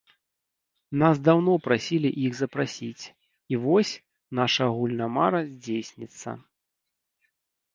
Нас даўно прасілі іх запрасіць, і вось, наша агульная мара здзейсніцца.